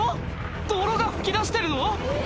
泥が噴き出してるの？